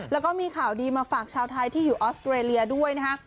แล้วก็มีข่าวดีมาฝากชาวไทยที่อยู่ออสเตรเลียด้วยนะฮะ